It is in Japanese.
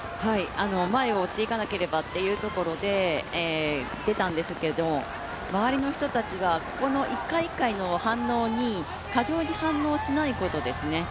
前を追っていかなければというところで出たんですけれども周りの人たちが、ここの一回一回の反応に過剰に反応しないことですね。